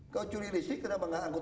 kau curi listrik kenapa nggak angkut